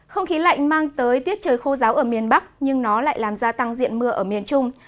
không khí lạnh mang tới tiết trời khô giáo ở miền bắc nhưng nó lại làm gia tăng diện mưa ở miền trung